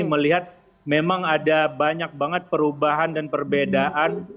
melihat memang ada banyak banget perubahan dan perbedaan